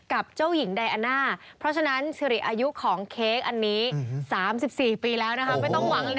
และเจ้าหิ่งไดแอน่าเพราะฉะนั้นสิริอายุของเก้กเองอันนี้๓๔ปีแล้ว